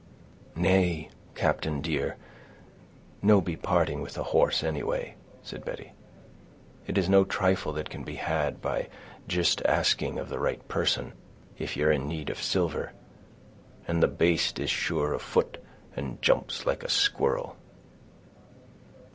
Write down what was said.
"Nay! captain dear, no be parting with the horse, anyway," said Betty. "It is no trifle that can be had by jist asking of the right person, if ye're in need of silver; and the baste is sure of foot, and jumps like a squirrel."